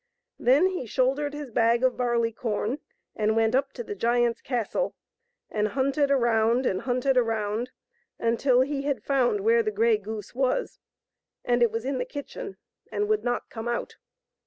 Then he shouldered his bag of barley corn and went up to the giant's castle, and hunted around and hunted around until he had found where the grey goose was ; and it was in the kitchen and would not come out.